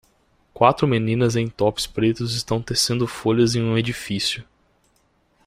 Quatro meninas em tops pretos estão tecendo folhas em um edifício.